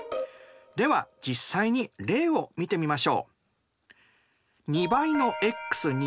では実際に例を見てみましょう。